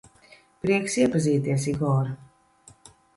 Prieks iepazīties, Igor.